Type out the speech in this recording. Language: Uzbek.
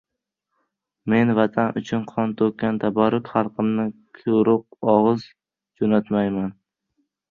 Men vatan uchun qon to‘kkan tabarruk xalqimni kuruq og‘iz jo‘natmayman!